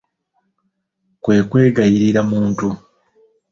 Kwe kwegayirira muntu.